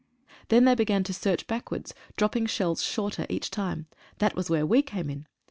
Then they began to search backwards, dropping shells shorter each time. That was where we came in!